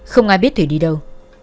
không ai biết thùy đi đâu